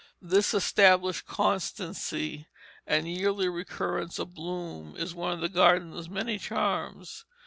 This established constancy and yearly recurrence of bloom is one of the garden's many charms.